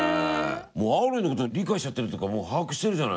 アーロイのこと理解しちゃってるっていうかもう把握してるじゃない？